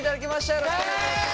よろしくお願いします！